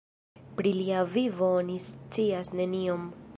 Pri lia vivo oni scias nenion.